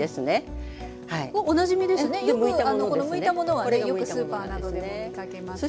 おなじみですねよくこのむいたものはねよくスーパーなどでも見かけます。